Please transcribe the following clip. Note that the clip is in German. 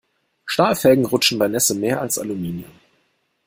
Stahlfelgen rutschen bei Nässe mehr als Aluminium.